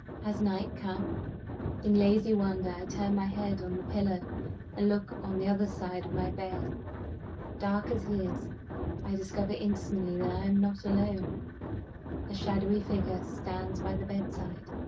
Has night come? In lazy wonder, I turn my head on the pillow, and look on the other side of my bed. Dark as it is, I discover instantly that I am not alone. A shadowy figure stands by my bedside.